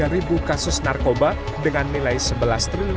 tiga puluh tiga ribu kasus narkoba dengan nilai sebelas triliun